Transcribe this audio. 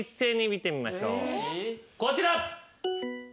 こちら。